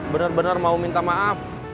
bener bener mau minta maaf